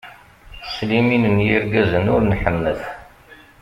S limin n yirgazen ur nḥennet!